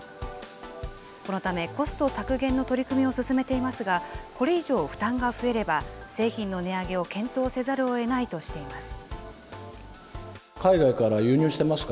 このため、コスト削減の取り組みを進めていますが、これ以上、負担が増えれば、製品の値上げを検討せざるをえないとしています。